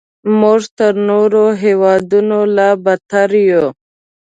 موږ تر نورو هیوادونو لا بدتر یو.